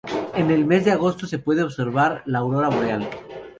En el mes de agosto se puede observar la aurora boreal.